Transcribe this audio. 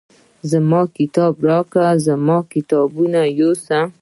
زما کتاب راکړه زموږ کتابونه یوسه.